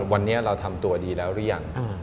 วันนี้เราทำตัวดีแล้วหรือยัง